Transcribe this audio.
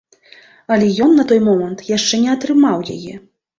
Але ён на той момант яшчэ не атрымаў яе.